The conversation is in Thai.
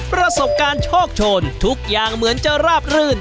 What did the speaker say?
ประสบการณ์โชคโชนทุกอย่างเหมือนจะราบรื่น